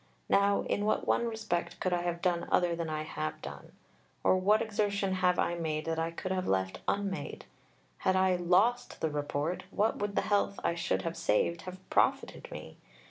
Now in what one respect could I have done other than I have done? or what exertion have I made that I could have left unmade?... Had I "lost" the Report, what would the health I should have saved have "profited" me?